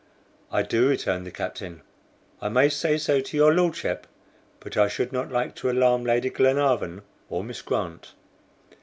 "I do," returned the captain. "I may say so to your Lordship, but I should not like to alarm Lady Glenarvan or Miss Grant."